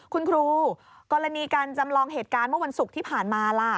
คุณครูกรณีการจำลองเหตุการณ์เมื่อวันศุกร์ที่ผ่านมาล่ะ